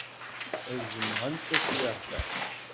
Ad jemɛent taswiɛt-a.